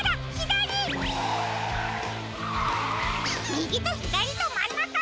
みぎとひだりとまんなか！